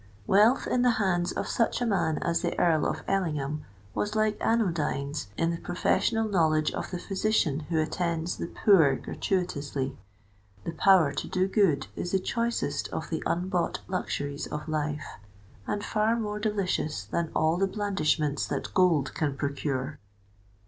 Wealth in the hands of such a man as the Earl of Ellingham was like anodynes in the professional knowledge of the physician who attends the poor gratuitously:—the power to do good is the choicest of the unbought luxuries of life, and far more delicious than all the blandishments that gold can procure.